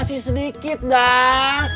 kasih sedikit dang